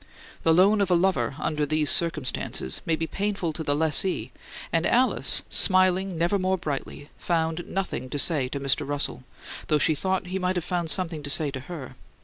The loan of a lover, under these circumstances, may be painful to the lessee, and Alice, smiling never more brightly, found nothing to say to Mr. Russell, though she thought he might have found something to say to her.